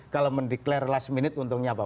kalau mendeklarasi last minute untungnya apa